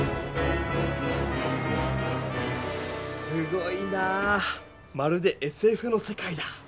すごいなぁまるでＳＦの世界だ！